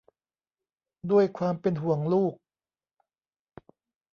ด้วยความเป็นห่วงลูก